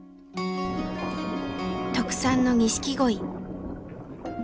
特産の錦鯉。